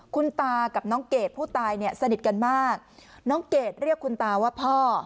คุณตากับน้องเกดผู้ตายเนี่ยสนิทกันมากน้องเกดเรียกคุณตาว่าพ่อ